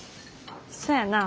そやなあ。